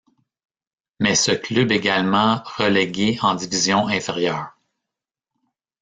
Mais ce club également relégué en division inférieure.